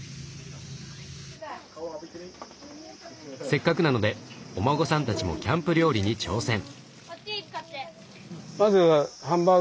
せっかくなのでお孫さんたちもキャンプ料理に挑戦！